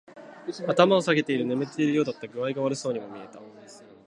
頭を下げている。眠っているようだった。具合が悪そうにも見えた。